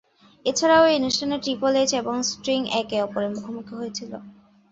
এছাড়াও এই অনুষ্ঠানে ট্রিপল এইচ এবং স্টিং একে অপরের মুখোমুখি হয়েছিল।